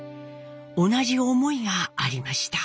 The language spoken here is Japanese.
同じ思いがありました。